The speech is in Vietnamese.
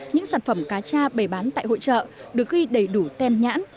những sản phẩm cá cha bày bán tại hội trợ được ghi đầy đủ tem nhãn